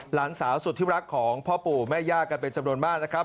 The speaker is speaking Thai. หลานสาวสุดที่รักของพ่อปู่แม่ย่ากันเป็นจำนวนมากนะครับ